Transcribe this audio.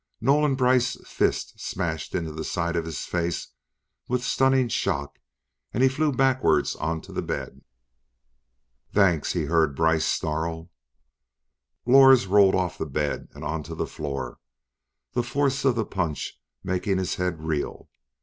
Nolan Brice's fist smashed into the side of his face with stunning shock and he flew backwards onto the bed. "Thanks," he heard Brice snarl. Lors rolled off the bed and onto the floor, the force of the punch making his head reel.